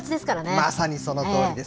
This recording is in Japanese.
まさにそのとおりです。